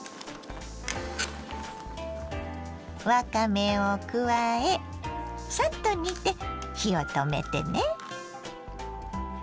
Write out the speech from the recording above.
わかめを加えサッと煮て火を止めてね。